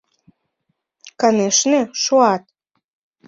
Конешне, шуат...